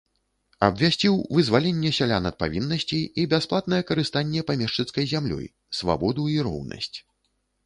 Абвясціў вызваленне сялян ад павіннасцей і бясплатнае карыстанне памешчыцкай зямлёй, свабоду і роўнасць.